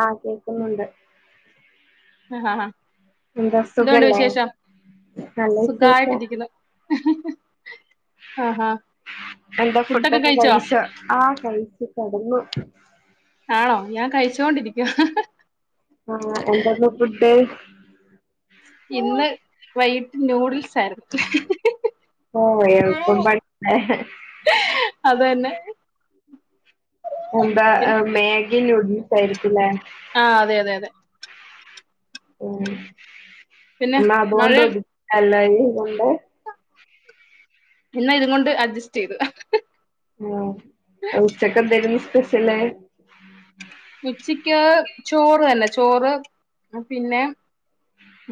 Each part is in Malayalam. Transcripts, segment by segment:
ആഹ് കേക്കുന്നുണ്ട് എന്താ എന്തോണ്ട് സുഖല്ലേ വിശേഷം നല്ല വിശേഷം സുഖായിട്ടിര്ക്ക്ണു എന്താ ഫുഡൊക്കെ കഴിച്ചൊ? ആഹ് കഴിച്ച് കെടന്നു. ആണോ? ഞാൻ കഴിച്ചോണ്ടിരിക്കുവാ ആഹ് എന്തൊക്കെ ഫുഡ്? ഇന്ന് വൈകിട്ട് നൂഡിൽസ് ആയിരുന്നു. ഓഹ് എൾപ്പപണിലെ. അതന്നെ. [inaudible] എന്താ പി മാഗി ന്യൂഡിൽസ് ആയിരിക്കുല്ലേ? ആഹ് അതെ അതെ അതെ. ഉം പിന്നെ മഴ ഇന്നതോണ്ടൊത് അല്ല ഇതോണ്ട്. ഇന്ന് അതുംകൊണ്ട് അഡ്ജസ്റ്റൈയ്തു. ആഹ് ഉച്ചക്കെന്തേന്ന് സ്പെഷ്യല്? [inaudible] ഉച്ചക്ക് ചോറന്നെ ചോറ് പിന്നെ.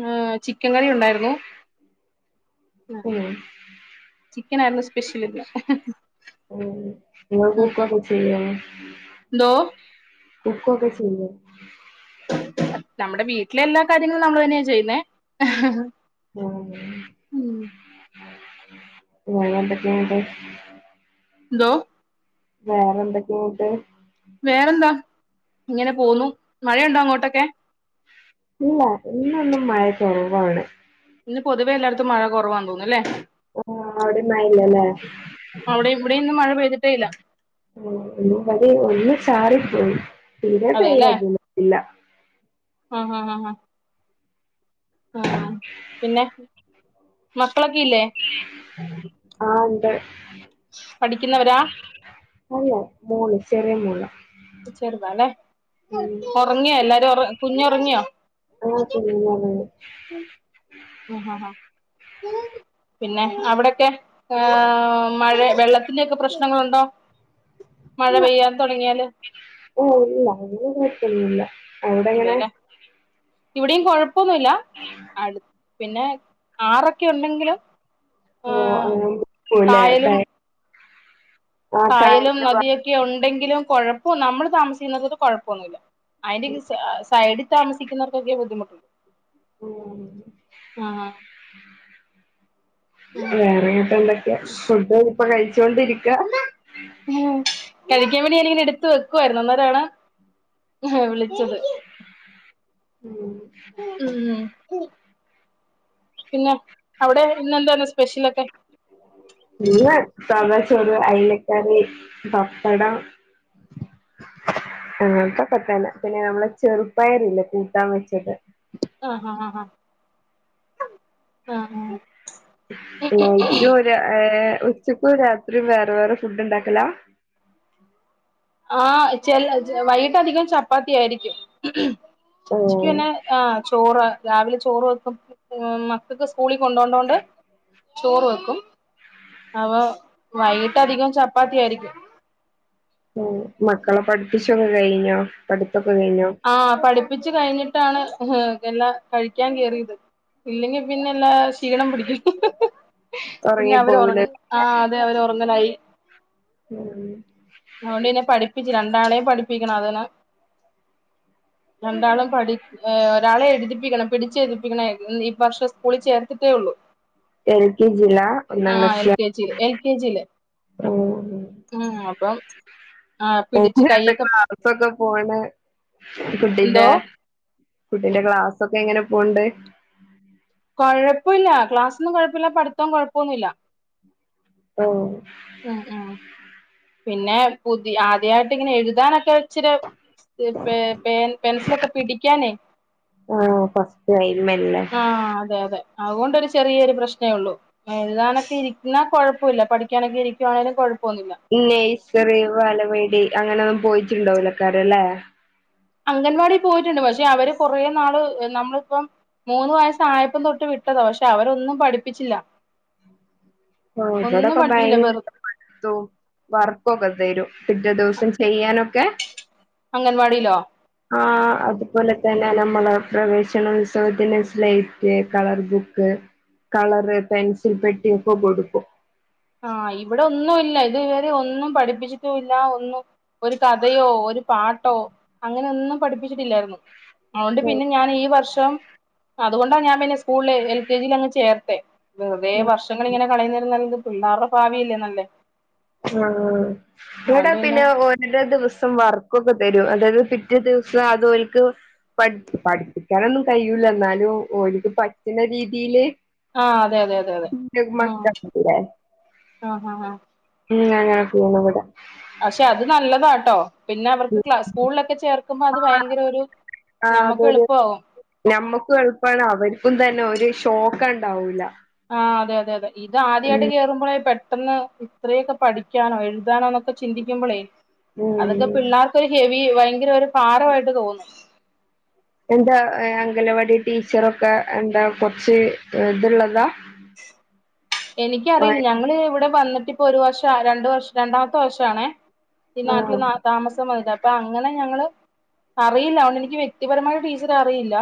ഏഹ് ചിക്കൻ കറി ഉണ്ടായിരുന്നു. ആഹ് ഉം ചിക്കൻ ആയിരുന്നോ സ്പെഷ്യല്ന്ന് ഉം ഇങ്ങൾ കുക്കൊക്കെ ചെയ്യോ? എന്തോ കുക്കൊക്കെ ചെയ്യും. നമ്മടെ വീട്ടിലെ എല്ലാ കാര്യങ്ങളും നമ്മള്തന്നെയാ ചെയ്യുന്നേ. ഉം ഉം വേറൊന്തൊക്കെയ്ണ്ട്? എന്തോ? വേറെ എന്തൊക്കേന്ന്ട്ട്? വേറെന്താ ഇങ്ങനെ പോവുന്നു മഴയുണ്ടോ അങ്ങോട്ടൊക്കെ? ഇല്ല ഇന്നൊന്നും മഴ കൊറവാണ്. ഇന്ന് പൊതുവേ എല്ലാട്ത്തും മഴ കൊറവാന്ന് തോനുന്നുല്ലേ. ഓ അവ്ടീം മഴല്ലല്ലേ? അവ്ടെ ഇവിടെന്നും മഴ പെയ്തിട്ടേ ഇല്ല. ഉം ഇന്നിവിടീം ഒന്ന് ചാറിപ്പോയി തീരെ അതെല്ലേ പെയ്യാതിര്ന്നിട്ട്ല്ല. ആഹ് ഹ ഹ ഹാ ആഹ് പിന്നെ മക്കളൊക്കെ ഇല്ലേ? ആഹ് ണ്ട്. പഠിക്കുന്നവരാ അല്ല മോള് ചെറിയ മോളാ ചെർതാല്ലേ ഒറങ്ങിയോ എല്ലാരും ഒറ കുഞ്ഞ് ഒറങ്ങിയോ? പിന്നെത്. ഉം പിന്നെ അവിടൊക്കെ? ആഹ് മഴ വെള്ളത്തിന്റെക്കെ പ്രശ്നങ്ങളുണ്ടോ മഴ ഇല്ല പെയ്യാൻ തൊടങ്ങിയാല്? ഓഹ് ഇല്ല അങ്ങനെ കൊഴപ്പന്നുല്ല അവ്ടെ എങ്ങനെ? ഇവിടിം കൊഴപ്പൊന്നുല്ല. [inaudible] അട് പിന്നെ ആറൊക്കെ ഉണ്ടെങ്കില് ഓഹ് അങ്ങനെ നിക്കൂലെ. കായലും കായലും ഭാഗത്ത് നദിയൊക്കെ ഉണ്ടെങ്കിലും കൊഴപ്പം നമ്മള് താമസിക്കുന്നത് കൊഴപ്പൊന്നുല്ല. അയിന്റെ ഈ സൈ സൈഡിൽ താമസിക്കുന്നവർക്കൊക്കെ ബുദ്ധിമുട്ടുള്ളു. ആഹ് ഹാ വേറെന്നിട്ട് എന്തൊക്കെ ഫുഡ് ഇപ്പൊ കഴിച്ചൊണ്ടിരിക്കാ ഉം കഴിക്കാൻ വേണ്ടി ഞാനിങ്ങനെ എടുത്ത് വെക്കു ആയിരുന്നു അന്നേരാണ്. വിളിച്ചത്. ഉം. ഉം പിന്നെ അവിടെ ഇന്നെന്താണ് സ്പെഷ്യലൊക്കെ? ഇന്ന് സാധാച്ചോറ്, അയ്ലക്കറി, പപ്പടം. അങ്ങൻത്തൊക്കെ തന്നെ പിന്നെ നമ്മളെ ചെറുപ്പയർല്ലെ കൂട്ടാൻ വെച്ചത്. ആഹ് അഹ് അഹ് അ ആഹ്. നൈറ്റും ഒരു ഏ ഉച്ചക്കും രാത്രിയും വേറെ വേറെ ഫുഡ് ഉണ്ടാക്കല ആഹ ചെ വൈകിട്ട അധികം ചപ്പാത്തി ആയിരിക്കും ഓഹ് ക്ക് പിന്നെ ആഹ ചോറ് രാവിലെ ചോറ് വെക്കും മക്കൾക്ക് സ്കൂളിൽ കൊണ്ടോണ്ടോണ്ട്. ചോറ് വെക്കും അപ്പൊ വൈകിട്ട അധികം ചപ്പാത്തി ആയിരിക്കും. മക്കളെ പഠിപ്പിച്ചൊക്കെ കഴിഞ്ഞോ പഠിത്തൊക്കെ കഴിഞ്ഞോ? ആ പഠിപ്പിച്ചു കഴിഞ്ഞിട്ടാണ് എല്ലാം കഴിക്കാൻ കേയറിയത് ഇല്ലെങ്കി പിന്നെ എല്ലാ ക്ഷീണം പിടിക്കും പിന്നെ ഒറങ്ങി അവര് ഉറ പോവൂലേ? ആഹ അതെ അവര് ഉറങ്ങലായി ഉം അതുകൊണ്ട്ന്നെ പഠിപ്പിച്ചു രണ്ടാളെയും പഠിപ്പിക്കണം അതന്നെ [inaudible] രണ്ടാളും പഠി ഒരാളെ എഴുതിപ്പിക്കണം പിടിച്ചെഴുതിപ്പിക്കണേ ഈ വർഷം സ്കൂളിൽ ചേർത്തിട്ടേ ഉള്ളു എൽ, കെ, ജി, ലാ ഒന്നാം എൽ ക്ലാസിലാ? കെ എൽ, കെ, ജില് ഓ ആഹ് ഓ പിടിച്ച് ക്ലാസ കൈയൊക്കെ ഒക്കെ പോണ് എന്തോ കുട്ടീന്റെ കുട്ടിന്റെ ക്ലാസ് ഒക്കെ എങ്ങനെ പോണ്ണ്ട്‌ കൊഴപ്പല്ല ക്ലാസ്ന്നും കഴപ്പല്ല പട്ത്തം കൊഴപ്പമൊന്നുല്ല [inaudible] ഉം ഉം പിന്നെ പുതി ആദ്യായിട്ട് ഇങ്ങനെ എഴുതാനൊക്കെ? ഇച്ചിരി പെൻസിലൊക്കെ പിടിക്കാനേ - ആണോ ആഹ അതെ അതെ അതുകൊണ്ടൊരു ചെറിയൊരു പ്രശ്നേ ഉള്ളു എഴുതാനൊക്കെ ഇരിക്കുന്ന കൊഴപ്പല്ല പഠിക്കാനൊക്കെ ഇരിക്കുവാണേങ്കലും കുഴപ്പൊന്നുല്ല നെയ്സറി വാലവാടി അങ്ങനെ ഒന്നും പോയിട്ടുണ്ടോലൈക്കാര ല്ലേ? അംഗൻവാടി പോയിട്ടുണ്ട് പക്ഷെ അവര് കൊറേ നാള് നമ്മളിപ്പം മൂന്ന് വയസ ആയപ്പം തൊട്ട് വിട്ടതോ പക്ഷെ അവരൊന്നും പഠിപ്പിച്ചില്ല ഓ ഒന്നും ഇവടെക്കെ പഠിപ്പിച്ചില്ല വെറു ഭയങ്കര വർക്കൊക്കെ തരും പിറ്റേ ദിവസം ചെയ്യാനൊക്കെ അംഗൻവാടിയിലോ? ആ അതുപോലെ തന്നെ നമ്മള പ്രവേശനോത്സവത്തിന് slight colour book colour pencil പെട്ടിയ ഒക്കെ കൊടുക്കും ആഹ ഇവിടെ ഒന്നുമില്ല ഇതുവരെ ഒന്നും പഠിപ്പിച്ചിട്ടും ഇല്ല ഒന്നും ഒരു കഥയോ ഒരു പാട്ടോ അങ്ങനെൊന്നും പഠിപ്പിച്ചിട്ടില്ലായിരുന്നു അതുകൊണ്ട് പിന്നെ ഞാൻ ഈ വർഷം അതുകൊണ്ടാ ഞാൻ പിന്നെ സ്കൂളില് എൽ കെ ജിയി അങ് ചേർത്തെ വെറുതെ വർഷങ്ങൾ ഇങ്ങനെ കളയുന്നരം നല്ലത് പിള്ളേരുടെ ഭാവി ഇല്ലേന്നല്ലേ ആ എടൊ പിന്നെ ന ദിവസം വർക്കൊക്കെ തരും അതായത് പിറ്റേ ദിവസം അതോൽക്ക്. പഠ പഠിപ്പിക്കാനൊന്നും കഴിയല്ല എന്നാലും ഓലക്ക് പറ്റണ രീതിയില് ആഹ അതെ അതെ അതെ അതെ ഉ മക്കളില്ലേ ആ ഹ ആ ഉംഞഞീ വിട [unintelligible] പക്ഷെ അത് നല്ലതാട്ടോ പിന്നെ അവർക്ക് ക് സ്കൂളിലൊക്കെ ചേർക്ക നക്കുമ്പോ അത് ഭയങ്കര ഒരു നമുക്ക് എളുപ്പമാകും മ്മക്ക് എളുപ്പമാണ് അവർക്കും തന്നെ ഒരു ഷോക്ക് ഉണ്ടാവൂല്ല ആ് അതെ അതെ അതെ ഇത് ആദ്യമായിട്ട് കേറുമ്പോഴ പെട്ടെന്ന് ഇത്രയൊക്കെ പഠിക്കാനോ എഴുതാനോ എന്നൊക്കെ ചിന്തിക്കുമ്പോളേ ഉം അതൊക്കെ പിള്ളേർക്ക് ക്കൊരു ഹെവി ഭയങ്കര ഒരു ഭാരവായിട്ട് തോന്നും എന്താ അംഗലവാടി ടീച്ചറൊക്കെ എന്താ കൊറച്ച് ഇത്ള്ളതാ? എനിക്കറിയില്ല. ഞങ്ങള് ഇവടം വന്നിട്ടിപ്പോ ഒരു വർഷം രണ്ട് വർഷം രണ്ടാമത്തെ വർഷാവണേ ഈ ആഹ് നാട്ടില് താമസം വന്നിട്ട് അപ്പോ അങ്ങനെ ഞങ്ങള് അറിയില്ല. അതോണ്ട് എനിക്ക് വ്യക്തിപരമായി ടീച്ചറെ അറിയില്ല.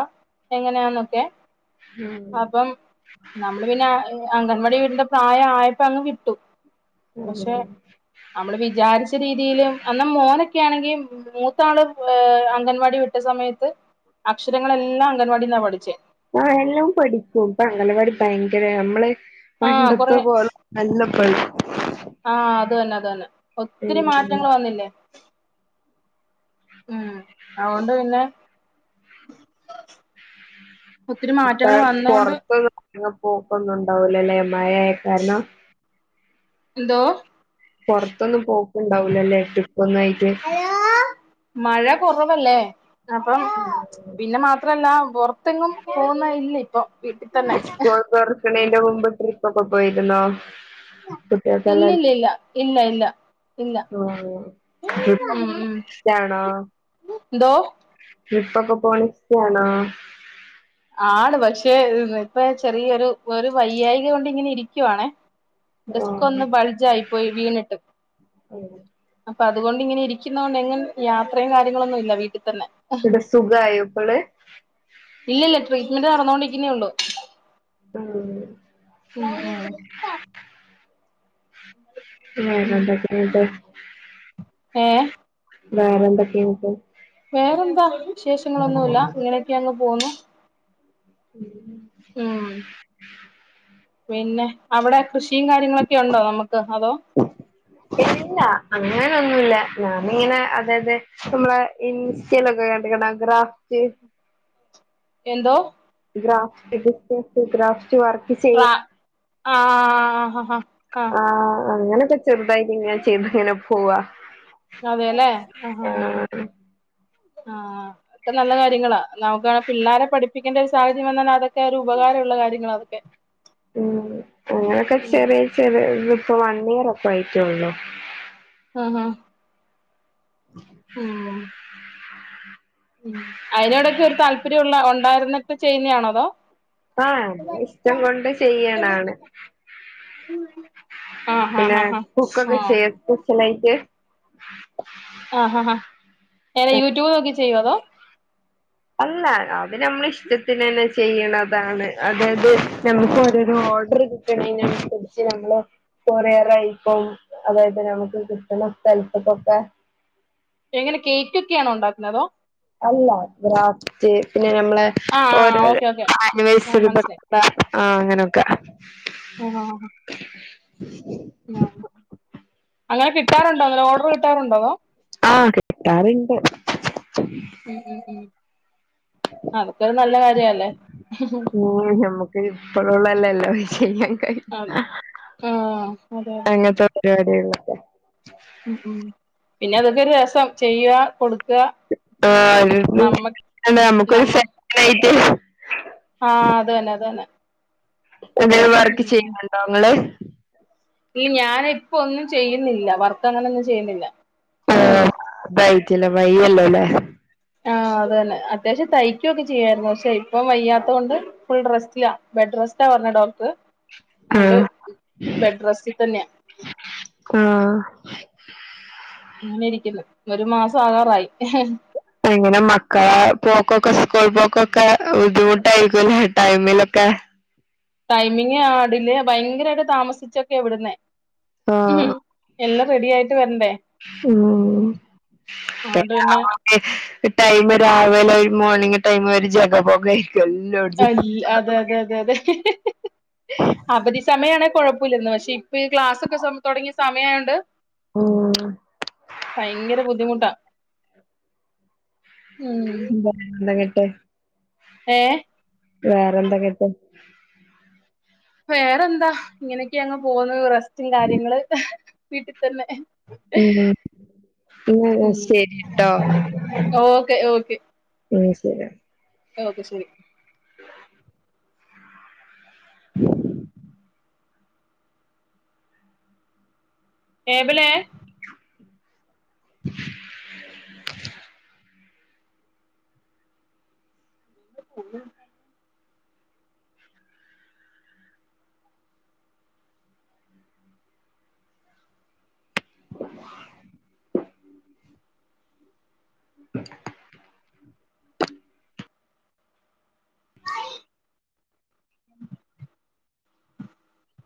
എങ്ങനെയാന്നൊക്കെ? ഉം അപ്പം നമ്മള് പിന്നെ അംഗൻവാടി വിടിന്റെ തായേ ആയപ്പോ അങ്ങ് വിട്ടു. പഷേ നമ്മള് വിചാരിച്ച രീതിലും അന്ന് മോനൊക്കെ ആണെങ്കി മൂത്താള് ഏഹ് അംഗൻവാടി വിട്ട സമയത്ത് അക്ഷരങ്ങളെല്ലാം അംഗൻവാടിന്നാ പഠിച്ചേ. ആഹ് എല്ലോം പഠിക്കും. ഇപ്പോ അംഗലാവാടി ഭയങ്കര നമ്മള് ആഹ് പണ്ടത്തെ കൊറെ പോലെ അല്ല ഇപ്പഴ് ആഹ് അത് തന്നെ അത് തന്നെ. ഒത്തിരി മാറ്റങ്ങള് വന്നില്ലേ ഉം അതുകൊണ്ട് പിന്നെ ഒത്തിരി ഇപ്പ മാറ്റങ്ങൾ വന്നോണ്ട് പൊറത്ത്ന്ന് പോക്കൊന്നുംണ്ടാവൂലല്ലേ മഴേ കാരണം. എന്തോ? പൊറത്തൊന്നും പോക്കുണ്ടാവൂലല്ലേ ട്രിപ്പൊന്നായിട്ട് ഹലോ മഴ കൊറവല്ലേ അപ്പം പിന്നെ മാത്രല്ല പൊറത്തെങ്ങും പോന്നല്ലിപ്പോ ഇസ്കൂൾ തൊർക്കണന്റെ മുമ്പ് ട്രിപ്പക്കെ പോയിരുന്നോ? ഇല്ലില്ല കുട്ടികൾക്കെല്ലാർക്കും ഇല്ല ഇല്ല ഇല്ല. ഇല്ല ആഹ് ഉം [unintelligible] ഉം ഇഷ്റ്റണോ എന്തോ ട്രിപ്പൊക്കെ പോകാൻ ഇസ്റ്റാണോ? ആണ് പക്ഷേ ഇപ്പൊ ചെറിയൊരു വയ്യായിക കൊണ്ട് ഇങ്ങനെ ഇരിക്കുവാണെ ഡിസ്ക്കൊന്ന് ആഹ് ബൾജായി പോയി വീണിട്ട്. ആഹ് അപ്പോ അതുകൊണ്ട് ഇങ്ങനെ ഇരിക്കുന്നകൊണ്ട് എങ്ങ യാത്രയും കാര്യങ്ങളൊന്നും ഇല്ല വീട്ടി തന്നെ ന്ന്ട്ട് സുഖായോപ്പള്? ഇല്ലില്ല ട്രീറ്റ്മെന്റ് നടന്നോണ്ടിക്കുന്നേ ഒള്ളൂ. ആഹ് ഉം ഉം വേറെന്തക്കെയൊണ്ട് ഏഹ് വേറെന്തക്കെയൊണ്ട് വേറെന്താ വിശേഷങ്ങളൊന്നുല്ല ഇങ്ങനെയൊക്കങ്ങ് പോകുന്നു. ഉം പിന്നെ അവടെ കൃഷിം കാര്യങ്ങളൊക്കെണ്ടോ നമുക്ക്? അതോ ഇല്ല അങ്ങനൊന്നുല്ല ഞാനിങ്ങനെ അതായത് നമ്മളാ ഇൻസ്റ്റലൊക്കെ കണ്ട്ക്ക്ണോ ഗ്രാഫ്റ്റ് എന്തോ? ഗ്രാഫ്റ്റ് ഡിസ്റ്റൻസ് ഗ്രാഫ്റ്റ് വർ ക്രാ ആഹ് ആഹ് ആഹ് ആഹ് ആഹ് അങ്ങനെക്കെ ചെറുതായിട്ട് ഞാൻ ചെയ്തിങ്ങനെ പോവാ. അതേല്ലേ ആഹ് ആഹ് ആഹ് ആഹ് അതൊക്കെ നല്ല കാര്യങ്ങളാ, നമുക്ക് പിള്ളോരെ പഠിപ്പിക്കേണ്ട ഒരു സാഹചര്യം വന്നാൽ അതൊക്കെ ഒരു ഉപകാരമുള്ള കാര്യങ്ങളാ അതൊക്കെ. ഉം അങ്ങനെക്കെ ഉം ചെറിയ ചെറിയ ഇപ്പോ വൺ ഇയർ ഒക്കെ ആയിറ്റൊള്ളൂ. ആഹ് ആഹ് ഉം. [inaudible] ഉം അയ്നോടൊക്കെ ഒരു താല്പര്യംള്ള ഉണ്ടായിരുന്നൊ പ്പൊ ചെയ്യുന്നയാണോ അതോ ആഹ് നമ്മക് ഇഷ്ടം ള്ളോണ്ട് ചെയ്യണാണ് ഉം [unintelligible] പിന്നെ കുക്കൊക്കെ ചെയ്യോ സ്‌പെഷൽ ആയിട്ട് ആഹ് ആഹ് ഹാ എനെ യൂട്യൂബ്നോക്കി ചെയ്യോഅതോ അല്ല അത് നമ്മൾ ഇഷ്ടത്തിനെന്നെ ചെയ്യണ താണ് അതായത് ഞമ്മക്ക് ഓരോരോ ഓർഡർ കിട്ടണേനനുസരിച് നമ്മള് കൊറിയറായിട്ടും അതായത് നമുക്ക് കിട്ടുന്ന സ്ഥലത്ത്കൊക്കെ എങ്ങനെ കേക്ക് ക്കെയാണോ ഉണ്ടാക്കുന്നത് അല്ല ക്രാഫറ്റ് പിന്നെ നമ്മളെ ആഹ് ആഹ് ഓരോരോ ഓക്കെ ഓക്കെ ആഹ് അണിവേഴ് മനസ്സിലായി ആഹ് അങ്ങനെയൊക്കെ ആഹാ ഹ ഹ [inaudible] ആഹ് അങ്ങനെ കിട്ടാറുണ്ടോ അങ്ങനെ ഓർഡർ കിട്ടാറുണ്ടോ അതോ ആഹ് കിട്ടാറുണ്ട് ഉം ഉം ഉം അതൊക്കെരു നല്ല കാര്യല്ലേ ഇപ്പോഴൊള്ളല്ലല്ലാം ചെയ്യാൻ കഴി ആഹ് ആഹ് അതെ അതെ അങ്ങനത്തെ [unintelligible] ഒര് കാര്യോല്യ [unintelligible] ഉ ഉം പിന്നെ അതൊക്കെ രസം ചെയ്യാ കൊട് ആഹ് [unintelligible] നമുക്കൊരു നമ്മ സായിട്ട് [unintelligible] ആഹ് അത് തന്നെ അതു തന്നെ ങ്ങനെ ഉം വർക്ക് ചെയ്യുന്നുണ്ടോ ങ്ങള് ഈ ഞാന് ഇപ്പ ഒന്നും ചെയ്യുന്നില്ല വർക്കങ്ങനൊന്നും ചെയ്യുന്നില്ല ഉം ആഹ് തായിറ്റ്ലെ വയ്യല്ലോല്ലെ ആഹ് അത് തന്നെ അത്യാവശ്യം തയ്ക്കുവൊക്കെ ചെയ്യായിരുന്നു പക്ഷെ ഇപ്പം വയ്യാത്തോണ്ട് ഫുൾ റെസ്റ്റിലാ ബെഡ് റെസ്റ്റാ പറഞ് ഡോക്ടർ അഹ്കൊണ്ട് ആഹ് ബെഡ് റെസ്റ്റിൽ തന്നെയ ആഹ് അങ്ങനെ ഇരിക്കുന്നു ഒരു മാസം ആകാറായി എങ്ങനെ മക്കളെ പോക്കൊക്കെ സ്കൂൾ പോക്കൊക്കെ ബുദ്ധിമുട്ടായിരിക്കുംല്ലേ ടൈമിലൊക്കെ ടൈമിങ് ആട്ല് ഭയങ്കരായിട്ട് താമസിച്ചൊക്കെ വിടുന്നെ ഉം ആഹ് എല്ലാം റെഡി ആയിട്ട് വരണ്ടേ ഉം അഓണ്ട് പിന്നെ ഈ ടൈം രാവിലെ ഒരു മോർണിംഗ ടൈമ ഒരു ജഗ പോക ക്കെ ന്നോ [unintelligible] അൽ അതെ അതെ അതെ അതെ അവധി സമയാണേ കുഴപ്പമില്ലന്ന് പക്ഷെ പ്പൊ ഈ ക്ലാസൊക്കെ സമ് തൊടങ്ങിയ സമയായോണ്ട് ഉം ഭയങ്കര ബുദ്ധിമുട്ടാ ഉം ന്ത എന്ന ങ്ങട്ട് [unintelligible] ഏഹ് വേറെ എന്താ കേട്ട് വേറെന്താ ഇങ്ങനെയൊക്കെയങ്ങ് പോവ്ന്നു റെസ്റ്റും കാര്യങ്ങള് വീട്ടിൽ തന്നെ ഉം ന്നാ ഉം ശരിട്ടോ ഓക്കെ ഓക്കെ ഓ ശരി [unintelligible] ഓക്കെ ശെരി [inaudible] ടേബ് ലേ [inaudible] [inaudible] അ [unintelligible] [inaudible]